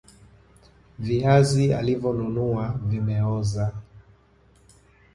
Viazi alivyonunua vimeoza